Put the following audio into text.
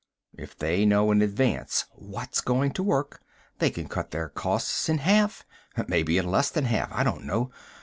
"If they know in advance what's going to work, they can cut their costs in half maybe to less than half, I don't know.